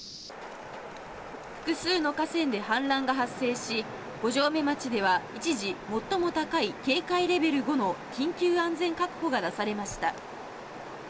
複数の河川で氾濫が発生し、五城目町では一時、最も高い警戒レベル５の緊急安全確保が出されました。